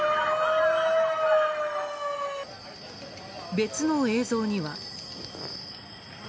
別の映像には。